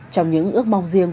trong những ước mong riêng